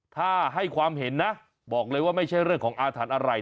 ถ้าให้ความเห็นนะบอกเลยว่าไม่ใช่เรื่องของอาถรรพ์อะไร